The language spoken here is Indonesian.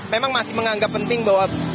memang masih menganggap penting bahwa